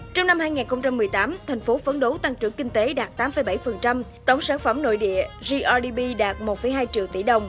trong năm hai nghìn một mươi tám thành phố phấn đấu tăng trưởng kinh tế đạt tám bảy tổng sản phẩm nội địa grdp đạt một hai triệu tỷ đồng